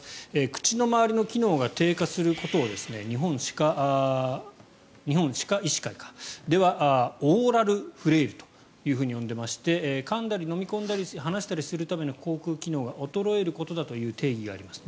口の周りの機能が低下することを日本歯科医師会ではオーラルフレイルと呼んでいましてかんだり飲み込んだり話したりするための口腔機能が衰えることだという定義があります。